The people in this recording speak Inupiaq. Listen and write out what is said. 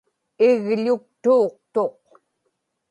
igḷuktuuqtuq